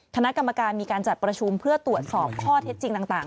คณะกรรมการมีการจัดประชุมเพื่อตรวจสอบข้อเท็จจริงต่าง